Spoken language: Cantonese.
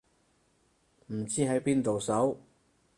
唔知喺邊度搜